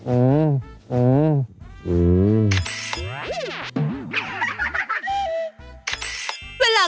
อื้อ